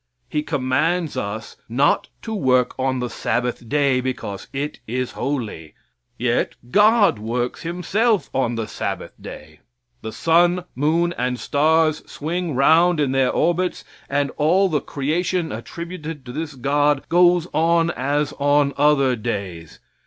He commands us not to work on the Sabbath day, because it is holy. Yet God works himself on the Sabbath day. The sun, moon and stars swing round in their orbits, and all the creation attributed to this God goes on as on other days.